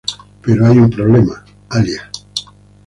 Pero hay un problema: Alia.